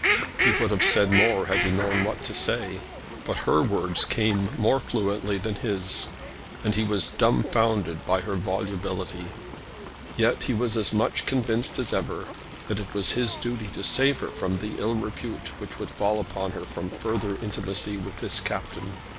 He would have said more had he known what to say. But her words came more fluently than his, and he was dumbfounded by her volubility; yet he was as much convinced as ever that it was his duty to save her from the ill repute which would fall upon her from further intimacy with this Captain.